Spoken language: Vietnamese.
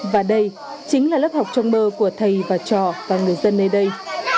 và đây chính là lớp học trong mơ của thầy và trò và người dân nơi đây